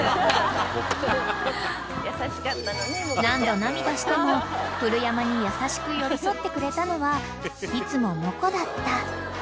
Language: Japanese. ［何度涙しても古山に優しく寄り添ってくれたのはいつもモコだった］